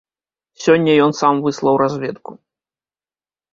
Сёння ён сам высылаў разведку.